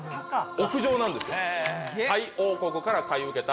屋上なんですよ。